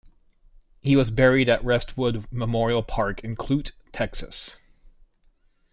He was buried at Restwood Memorial Park in Clute, Texas.